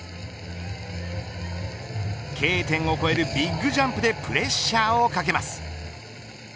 Ｋ点を越えるビッグジャンプでプレッシャーをかけます。